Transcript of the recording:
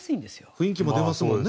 雰囲気も出ますもんね。